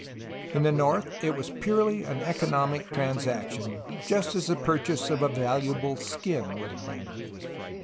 In the north it was purely an economic trans action, just as the purchase of a valuable skin would have been.